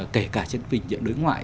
kể cả trên phình diện đối ngoại